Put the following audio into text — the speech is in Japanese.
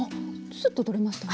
スッと取れましたね。